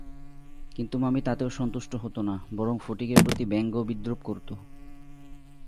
কিন্তু মামি তাতেও সন্তুষ্ট হতো না, বরং ফটিকের প্রতি ব্যঙ্গ-বিদ্রূপ করত।